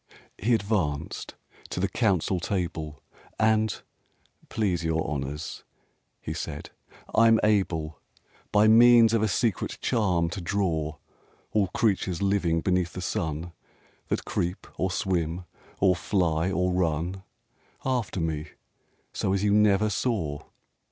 VI He advanced to the council table: And, "Please your honors," said he, "I'm able, By means of a secret charm to draw All creatures living beneath the sun, That creep or swim or fly or run, After me so as you never saw!